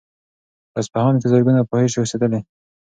په اصفهان کې زرګونه فاحشې اوسېدلې.